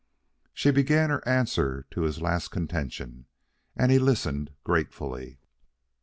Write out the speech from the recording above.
She began her answer to his last contention, and he listened gratefully.